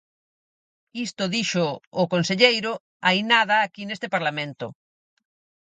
Isto díxoo o conselleiro hai nada aquí neste Parlamento.